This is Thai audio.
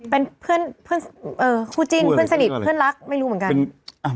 เป็นเพื่อนคู่จิ้นเพื่อนสนิทเพื่อนรักไม่รู้เหมือนกัน